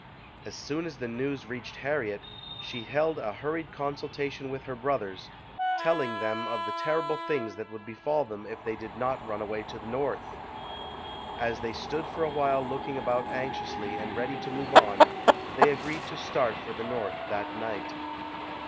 As soon as the news reached Harriet, she held a hurried consultation with her brothers, telling them of the terrible things that would befall them if they 92 ] UNSUNG HEROES did not run away to the North. As they stood for a while looking about anxiously and ready to move on, they agreed to start for the North that night.